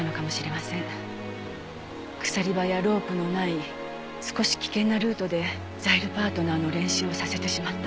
鎖場やロープのない少し危険なルートでザイルパートナーの練習をさせてしまった。